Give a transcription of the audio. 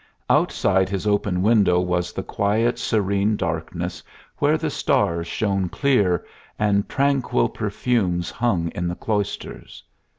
Outside his open window was the quiet, serene darkness, where the stars shone clear, and tranquil perfumes hung in the cloisters.